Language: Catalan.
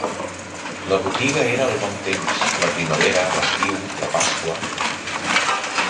La botiga era el bon temps, la primavera, l’estiu, la Pasqua